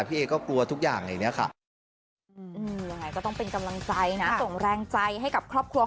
พี่เอก็กลัวทุกอย่างอย่างนี้ค่ะ